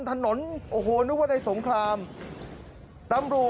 ตอนนี้ก็ยิ่งแล้ว